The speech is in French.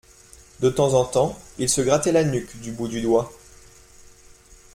De temps en temps il se grattait la nuque du bout du doigt.